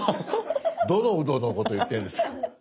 どのウドのこと言ってるんですか。